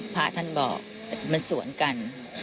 พระอาทั้งบอกเป็นสวนกัน